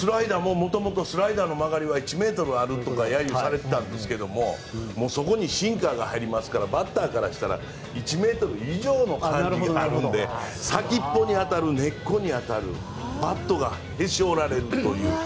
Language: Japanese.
スライダーも元々スライダーの曲がりが１ｍあるとか揶揄されてたんですがそこにシンカーが入りますからバッターからしたら１ｍ以上になりますので先っぽに当たる、根っこに当たるバットがへし折られるという。